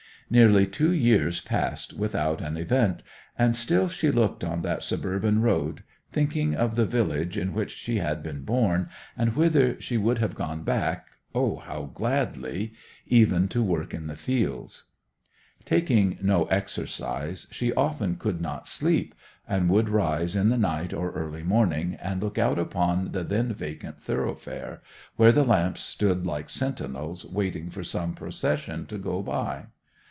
Nearly two years passed without an event, and still she looked on that suburban road, thinking of the village in which she had been born, and whither she would have gone back—O how gladly!—even to work in the fields. Taking no exercise, she often could not sleep, and would rise in the night or early morning and look out upon the then vacant thoroughfare, where the lamps stood like sentinels waiting for some procession to go by.